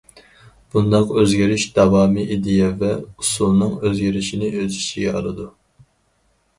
بۇنداق ئۆزگىرىش داۋامى ئىدىيە ۋە ئۇسۇلنىڭ ئۆزگىرىشىنى ئۆز ئىچىگە ئالىدۇ.